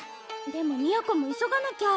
でも美弥子も急がなきゃ。